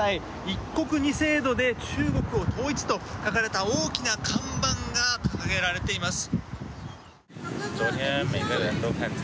一国二制度で中国を統一と書かれた大きな看板が掲げられています。